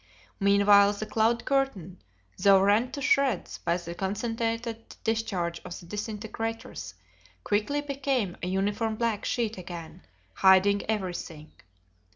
Meanwhile the cloud curtain, though rent to shreds by the concentrated discharge of the disintegrators, quickly became a uniform black sheet again, hiding everything.